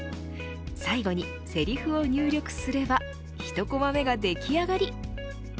最後にセリフを入力すれば１コマ目ができ上がり。